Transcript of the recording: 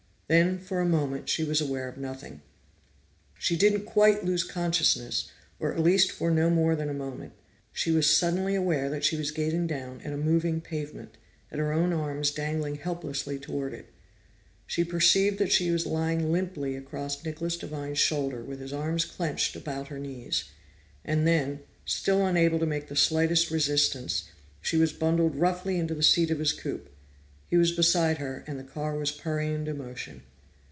Then for a moment she was aware of nothing. She didn't quite lose consciousness, or at least for no more than a moment. She was suddenly aware that she was gazing down at a moving pavement, at her own arms dangling helplessly toward it. She perceived that she was lying limply across Nicholas Devine's shoulder with his arms clenched about her knees. And then, still unable to make the slightest resistance, she was bundled roughly into the seat of his coupe; he was beside her, and the car was purring into motion.